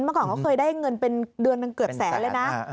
เมื่อก่อนเขาเคยได้เงินเป็นเดือนหนึ่งเกือบแสนเลยนะ